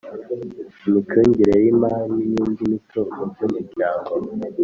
Imicungire y imari n indi mitungo by umuryango